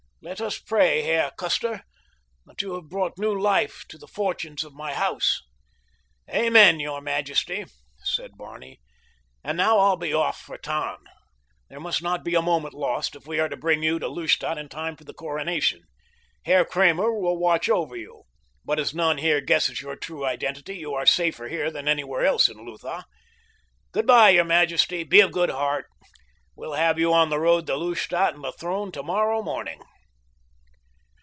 Let us pray, Herr Custer, that you have brought new life to the fortunes of my house." "Amen, your majesty," said Barney. "And now I'll be off for Tann—there must not be a moment lost if we are to bring you to Lustadt in time for the coronation. Herr Kramer will watch over you, but as none here guesses your true identity you are safer here than anywhere else in Lutha. Good bye, your majesty. Be of good heart. We'll have you on the road to Lustadt and the throne tomorrow morning."